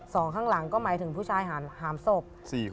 ข้างหลังก็หมายถึงผู้ชายหามศพ